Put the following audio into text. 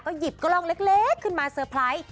หยิบกล้องเล็กขึ้นมาเซอร์ไพรส์